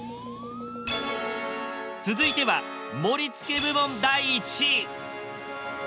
続いては盛付部門第１位。